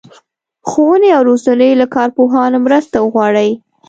ښوونې او روزنې له کارپوهانو مرسته وغواړي.